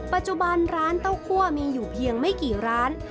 ปัจจุบันร้านเต้าคั่วมีอยู่เพียงไม่กี่ร้าน